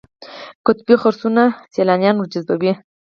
قطبي خرسونه سیلانیان ورجذبوي.